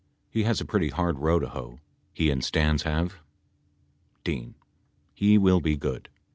He has a pretty hard row to hoe — he and Stans have. D. He will be good.